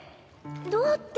どうって。